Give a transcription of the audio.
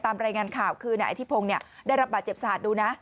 รายงานข่าวคือนายอธิพงศ์ได้รับบาดเจ็บสาหัสดูนะ